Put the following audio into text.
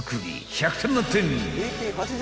［１００点満点］